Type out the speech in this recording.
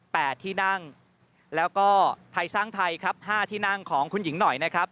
แปดที่นั่งแล้วก็ไทยสร้างไทยครับห้าที่นั่งของคุณหญิงหน่อยนะครับ